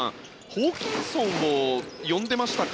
ホーキンソンを呼んでましたか？